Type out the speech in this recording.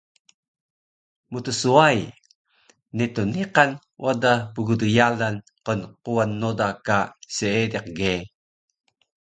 Mtswai, netun niqan wada pgdyalan qnquwan noda ka seediq ge